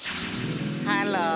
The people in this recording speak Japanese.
ハロー！